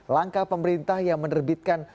langkah pemerintah yang menerbitkan